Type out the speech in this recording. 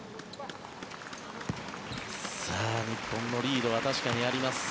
日本のリードは確かにあります。